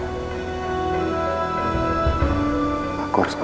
tidak ada yang bisa diberikan